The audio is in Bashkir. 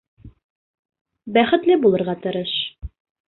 Бәхетле булырға тырыш...